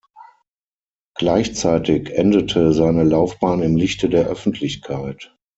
Gleichzeitig endete seine Laufbahn im Lichte der Öffentlichkeit.